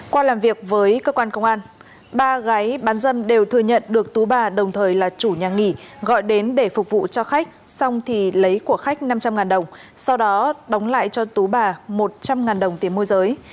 qua làm việc với cơ quan công an ba gái bán dâm đều thừa nhận được tú bà đồng thời là chủ nhà nghỉ gọi đến để phục vụ cho khách xong thì lấy của khách năm trăm linh đồng sau đó đóng lại cho tú bà một trăm linh đồng tiền môi giới